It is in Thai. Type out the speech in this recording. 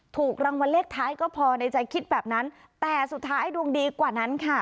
ถูกรางวัลเลขท้ายก็พอในใจคิดแบบนั้นแต่สุดท้ายดวงดีกว่านั้นค่ะ